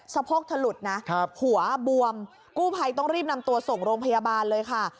โพกถลุดนะหัวบวมกู้ภัยต้องรีบนำตัวส่งโรงพยาบาลเลยค่ะ